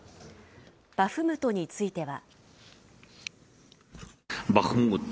バフムトについては。